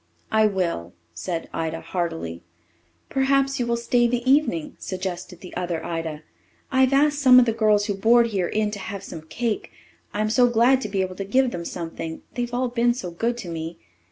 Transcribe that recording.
"I will," said Ida heartily. "Perhaps you will stay the evening," suggested the other Ida. "I've asked some of the girls who board here in to have some cake, I'm so glad to be able to give them something they've all been so good to me.